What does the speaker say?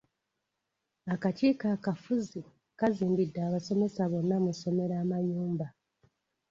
Akakiiko akafuzi kazimbidde abasomesa bonna mu somero amayumba.